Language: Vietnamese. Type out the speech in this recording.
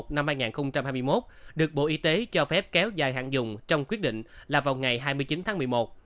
năm hai nghìn hai mươi một được bộ y tế cho phép kéo dài hạn dùng trong quyết định là vào ngày hai mươi chín tháng một mươi một